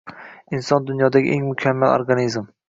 Inson dunyodagi eng mukammal organizm